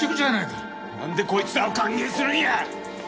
なんでこいつらを歓迎するんや！